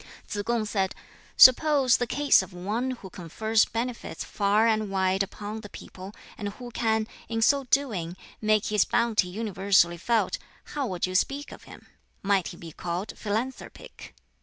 Tsz kung said, "Suppose the case of one who confers benefits far and wide upon the people, and who can, in so doing, make his bounty universally felt how would you speak of him? Might he be called philanthropic?"